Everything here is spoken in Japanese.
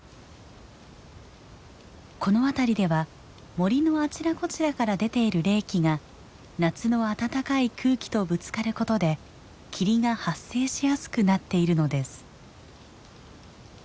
この辺りでは森のあちらこちらから出ている冷気が夏の暖かい空気とぶつかることで霧が発生しやすくなっているのです。